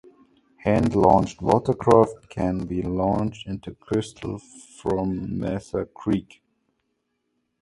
Hand-launched watercraft can be launched into Crystal from Mesa Creek.